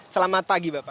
selamat pagi bapak